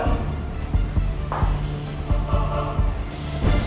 mereka sudah bangun